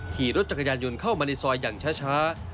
ขี่รถจักรยานยนต์เข้ามาในซอยอย่างช้า